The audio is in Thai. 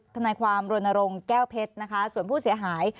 ทนายความรณรงค์แก้วเพชรนะคะส่วนผู้เสียหาย